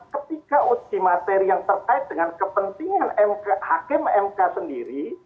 ketika uji materi yang terkait dengan kepentingan hakim mk sendiri